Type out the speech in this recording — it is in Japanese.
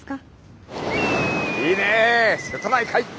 いいね瀬戸内海！